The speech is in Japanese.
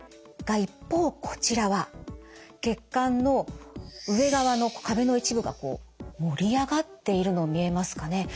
が一方こちらは血管の上側の壁の一部がこう盛り上がっているの見えますかね？